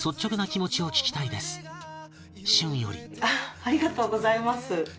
ありがとうございます。